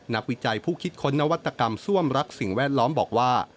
วิจัยผู้คิดค้นนวัตกรรมซ่วมรักสิ่งแวดล้อมบอกว่า